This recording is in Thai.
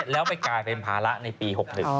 แล้วไปกลายเป็นภาระในปี๖๑